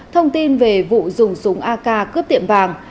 thông tin về vụ dùng súng ak cướp tiệm vàng